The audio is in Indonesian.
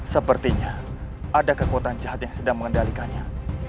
sepertinya ada kekuatan jahat yang sedang mengendalikannya